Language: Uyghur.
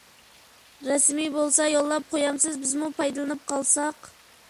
رەسىمى بولسا يوللاپ قويامسىز؟ بىزمۇ پايدىلىنىپ قالساق.